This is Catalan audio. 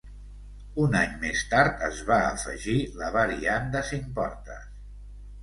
Un any més tard es va afegir la variant de cinc portes.